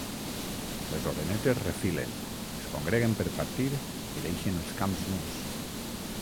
Les orenetes refilen, es congreguen per partir i deixen els camps nus.